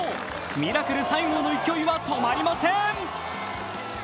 ミラクル西郷の勢いは止まりません。